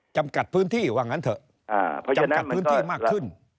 จำกัดพื้นที่ว่างั้นเถอะจำกัดพื้นที่มากขึ้น